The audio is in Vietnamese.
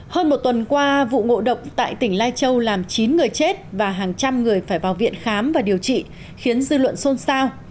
hơn một tuần qua vụ ngộ độc tại tỉnh lai châu làm chín người chết và hàng trăm người phải vào viện khám và điều trị khiến dư luận xôn xao